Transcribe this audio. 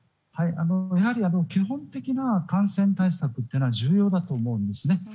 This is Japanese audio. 基本的な感染対策というのは重要だと思うんですね。